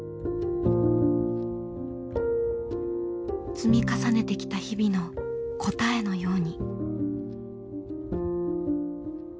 積み重ねてきた日々の答えのように。